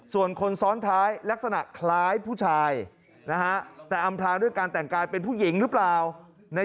ส่วนคนซ้อนท้ายลักษณะคล้ายผู้ชายแต่อำพลางด้วยการแต่งกายเป็นผู้หญิงหรือเปล่า